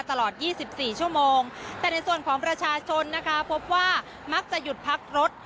ตลอด๒๔ชั่วโมงแต่ในส่วนของประชาชนนะคะพบว่ามักจะหยุดพักรถ